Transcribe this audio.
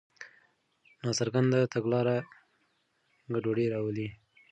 ناڅرګنده تګلاره ګډوډي راولي.